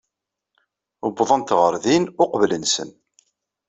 Uwḍent ɣer din uqbel-nsen.